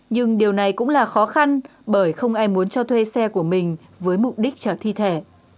nhưng điều này cũng là khó khăn bởi không ai muốn cho thuê xe của mình với mục đích trở thi thể